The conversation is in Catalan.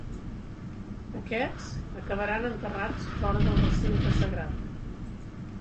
Aquests acabaran enterrats fora del recinte sagrat.